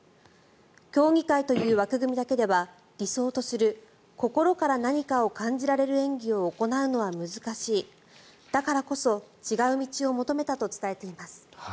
競技会という枠組みだけでは理想とする心から何かを感じられる演技を行うのは難しいだからこそ違う道を求めたと伝えています。